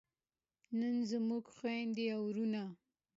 نن زموږ خویندې او وروڼه